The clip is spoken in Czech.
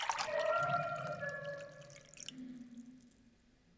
Čísla se mírně liší, ale všechny státy byly těžce zasaženy.